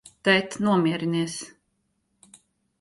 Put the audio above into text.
Tēt, nomierinies!